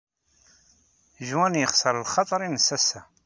Juan yexṣer lxaḍer-nnes ass-a.